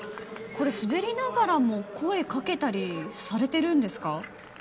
滑りながらも声をかけたりされているんですか。